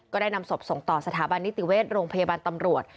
ได้นำศพส่งต่อสถาบันนิติเวชโรงพยาบาลตำรวจ